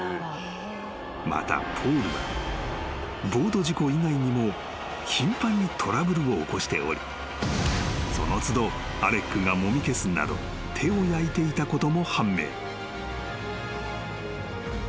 ［またポールはボート事故以外にも頻繁にトラブルを起こしておりその都度アレックがもみ消すなど手を焼いていたことも判明］